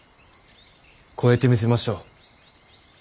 超えてみせましょう。